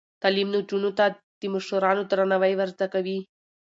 تعلیم نجونو ته د مشرانو درناوی ور زده کوي.